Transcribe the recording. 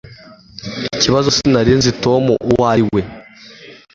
Ikibazo sinari nzi Tom uwo ari we